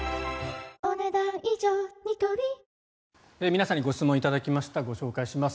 皆さんにご質問頂きましたご紹介します。